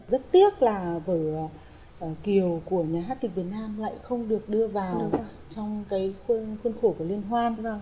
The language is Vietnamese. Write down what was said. rất tiếc là vở kiều của nhà hát kịch việt nam lại không được đưa vào trong cái khuôn khổ của liên hoan